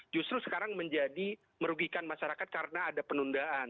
justru sekarang menjadi merugikan masyarakat karena ada penundaan